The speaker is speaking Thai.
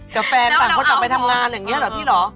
กับแฟนต่างคนต่างไปทำงานอย่างนี้เหรอพี่เหรอ